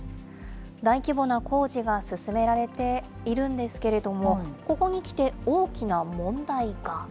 大規模な工事が進められているんですけれども、ここにきて大きな問題が。